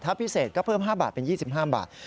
ถ้าพิเศษก็เพิ่ม๕บาทเป็น๒๕บาท